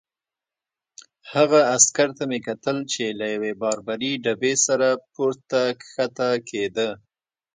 هغه عسکر ته مې کتل چې له یوې باربرې ډبې سره پورته کښته کېده.